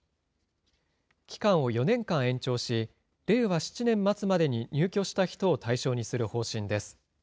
期間を４年間延長し、令和７年末までに入居した人を対象にする方針です。